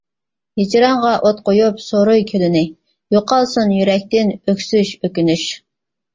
ھىجرانغا ئوت قويۇپ، سورۇي كۈلىنى، يوقالسۇن يۈرەكتىن ئۆكسۈش، ئۆكۈنۈش.